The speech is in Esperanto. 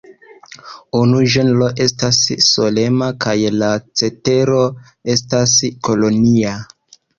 Unu genro estas solema kaj la cetero estas kolonia.